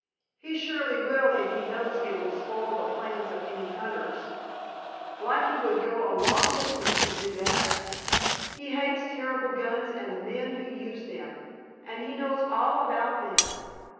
He surely will if he thinks it will spoil the plans of any hunters. Blacky would go a long distance to do that. He hates terrible guns and the men who use them. And he knows all about them.